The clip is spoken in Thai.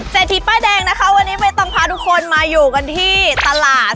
ทีป้ายแดงนะคะวันนี้ไม่ต้องพาทุกคนมาอยู่กันที่ตลาด